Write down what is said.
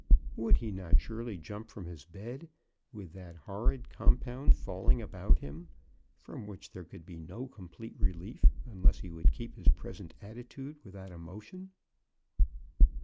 Would he not surely jump from his bed, with that horrid compound falling about him — from which there could be no complete relief unless he would keep his pres ent attitude without a motion.